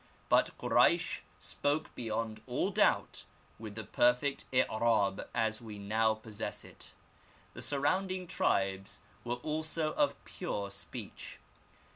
But Koraysh spoke beyond all doubt with the perfect i'rab as we now possess it. The surrounding tribes were also of pure speech.